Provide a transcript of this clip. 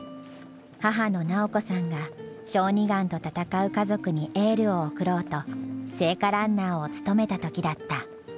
母の由子さんが小児がんと闘う家族にエールを送ろうと聖火ランナーを務めた時だった。